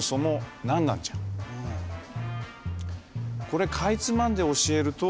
これかいつまんで教えると